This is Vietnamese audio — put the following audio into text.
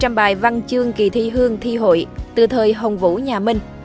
trong bài văn chương kỳ thi hương thi hội từ thời hồng vũ nhà minh